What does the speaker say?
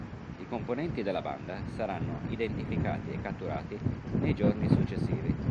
I componenti della banda saranno identificati e catturati nei giorni successivi.